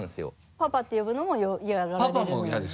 パパって呼ぶのも嫌がられるので。